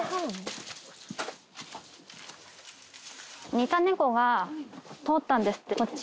似た猫が通ったんですって、こっち。